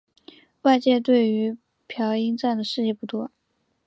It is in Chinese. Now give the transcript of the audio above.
外界对于朴英赞的事迹不多。